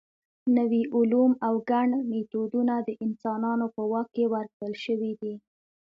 نوي علوم او ګڼ میتودونه د انسانانو په واک کې ورکړل شوي دي.